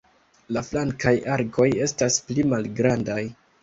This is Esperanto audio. La flankaj arkoj estas pli malgrandaj.